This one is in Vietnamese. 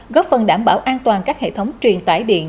góp phần đảm bảo an toàn các hệ thống truyền tải điện